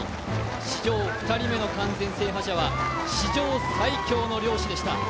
史上２人目の完全制覇者は史上最強の漁師でした。